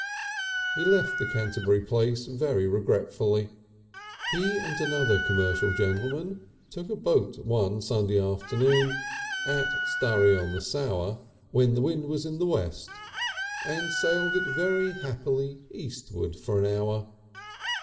He left the Canterbury place very regretfully. He and another commercial gentleman took a boat one Sunday afternoon at Sturry on the Stour, when the wind was in the west, and sailed it very happily eastward for an hour.